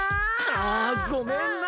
ああごめんな。